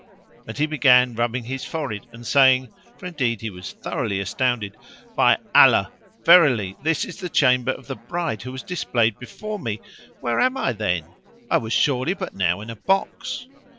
And he began rubbing his forehead and saying (for indeed he was thoroughly astounded), "By Allah, verily this is the chamber of the bride who was displayed before me! Where am I then? I was surely but now in a box!"